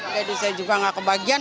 saya juga nggak kebagian